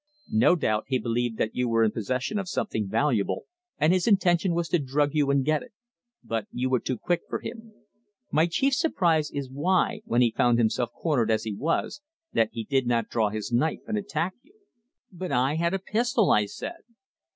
No doubt he believed that you were in possession of something valuable, and his intention was to drug you and get it. But you were too quick for him. My chief surprise is why, when he found himself cornered as he was, that he did not draw his knife and attack you." "But I had a pistol!" I said.